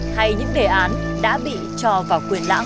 hay những đề án đã bị cho vào quyền lãng